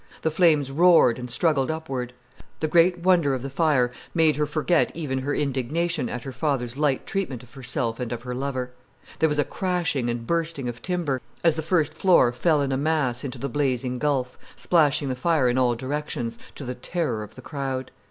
The flames roared and struggled upward. The great wonder of the fire made her forget even her indignation at her father's light treatment of herself and of her lover. There was a crashing and bursting of timber, as the first floor fell in a mass into the blazing gulf, splashing the fire in all directions, to the terror of the crowd.